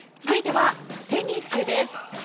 続いては、テニスです。